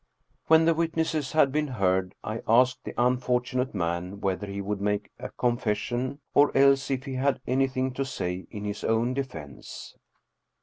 When the witnesses had been heard, I asked the un fortunate man whether he would make a confession, or else, if he had anything to say in his own defense.